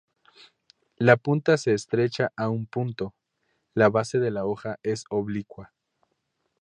La punta se estrecha a un punto, la base de la hoja es oblicua.